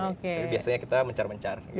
jadi biasanya kita mencar mencar gitu ya